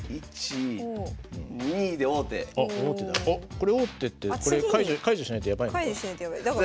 これ王手って解除しないとやばいのか。